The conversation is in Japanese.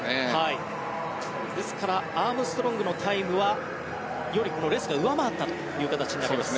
ですからアームストロングのタイムよりレスが上回った形になります。